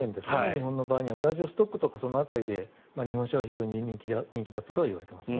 日本の場合にはウラジオストクとかその辺りで日本車は非常に人気だと言われています。